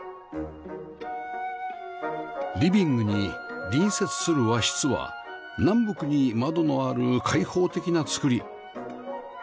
リビングに隣接する和室は南北に窓のある開放的な造り